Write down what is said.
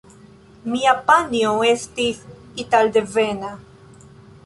Mia panjo estis italdevena.